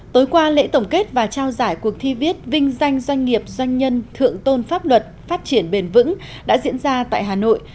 tối qua lễ tổng kết và trao giải cuộc thi viết vinh danh doanh nghiệp doanh nhân thượng tôn pháp luật phát triển bền vững đã diễn ra tại hà nội